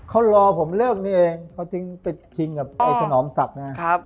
เขารอผมเลิกนี่เองเขาจึงไปชิงกับไอ้ถนอมศักดิ์นะครับ